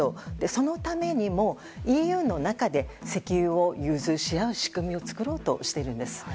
そのためにも、ＥＵの中で石油を融通し合う仕組みを作ろうとしているんです。